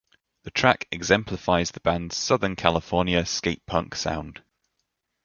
The track exemplifies the band's southern California skate punk sound.